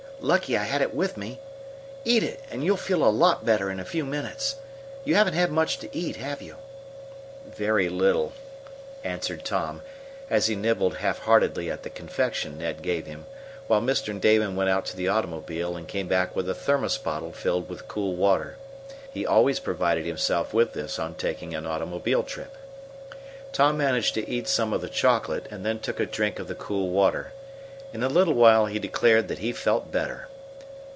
Lucky I had it with me. Eat it, and you'll feel a lot better in a few minutes. You haven't had much to eat, have you?" "Very little," answered Tom, as he nibbled half heartedly at the confection Ned gave him, while Mr. Damon went out to the automobile and came back with a thermos bottle filled with cool water. He always provided himself with this on taking an automobile trip. Tom managed to eat some of the chocolate, and then took a drink of the cool water. In a little while he declared that he felt better.